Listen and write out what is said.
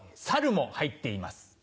サルも入っています。